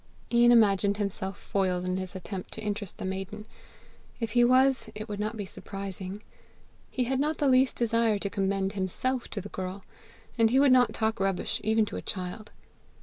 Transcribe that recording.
Ian imagined himself foiled in his attempt to interest the maiden. If he was, it would not be surprising. He had not the least desire to commend HIMSELF to the girl; and he would not talk rubbish even to a child.